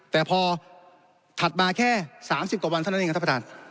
แต่พอถัดมาแค่๓๐กว่าวันเท่านั้นเองครับท่านประธาน